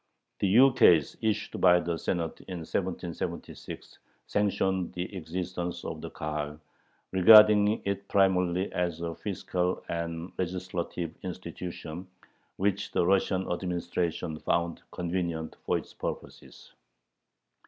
The ukase issued by the Senate in 1776 sanctioned the existence of the Kahal, regarding it primarily as a fiscal and legislative institution, which the Russian administration found convenient for its purposes.